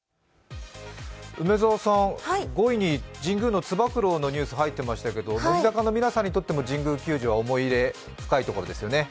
梅澤さん、５位に神宮のつば九郎のニュースが上がっていましたけど乃木坂の皆さんにとっても神宮球場は思い出深いところですよね。